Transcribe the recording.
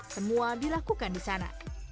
semua dilakukan di sana